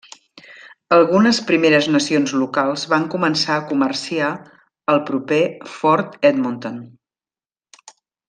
Algunes Primeres Nacions locals van començar a comerciar al proper Fort Edmonton.